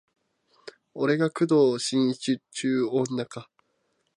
お前が工藤新一っちゅう女か